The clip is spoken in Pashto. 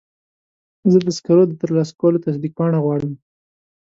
زه د سکرو د ترلاسه کولو تصدیق پاڼه غواړم.